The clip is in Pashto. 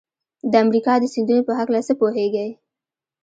د امریکا د سیندونو په هلکه څه پوهیږئ؟